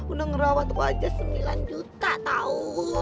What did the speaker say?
udah ngerawat wajah sembilan juta tau